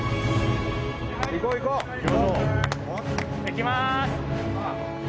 いきます。